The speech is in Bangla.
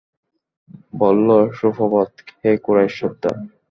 বলল, সুপ্রভাত, হে কুরাইশ সর্দার!